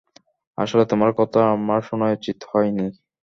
আসলে তোমার কথা আমার শোনাই উচিৎ হয় নি।